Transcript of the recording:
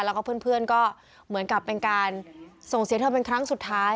แล้วก็เพื่อนก็เหมือนกับเป็นการส่งเสียเธอเป็นครั้งสุดท้าย